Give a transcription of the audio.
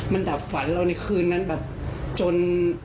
มันดับฝันเราในคืนนั้นแบบจน